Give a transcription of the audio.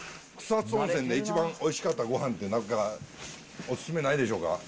草津温泉で一番おいしかったごはんって、何か、お勧めないでしょうか。